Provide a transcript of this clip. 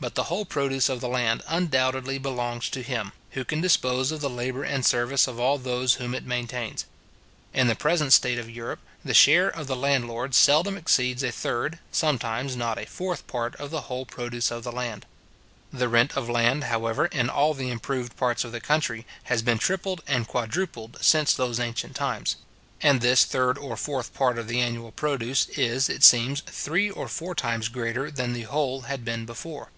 But the whole produce of the land undoubtedly belongs to him, who can dispose of the labour and service of all those whom it maintains. In the present state of Europe, the share of the landlord seldom exceeds a third, sometimes not a fourth part of the whole produce of the land. The rent of land, however, in all the improved parts of the country, has been tripled and quadrupled since those ancient times; and this third or fourth part of the annual produce is, it seems, three or four times greater than the whole had been before.